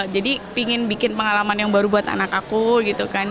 jadi ingin bikin pengalaman yang baru buat anak aku gitu kan